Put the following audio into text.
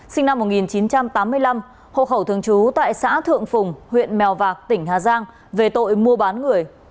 sinh năm một nghìn chín trăm tám mươi năm hộ khẩu thường trú tại xã thượng phùng huyện mèo vạc tỉnh hà giang về tội mua bán người